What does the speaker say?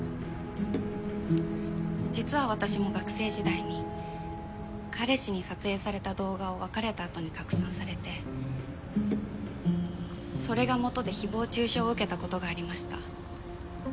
実は私も学生時代に彼氏に撮影された動画を別れた後に拡散されてそれがもとで誹謗中傷を受けたことがありました。